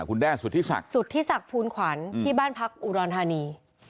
คุณแด้สุธิศักดิสุทธิศักดิ์ภูลขวัญที่บ้านพักอุดรธานี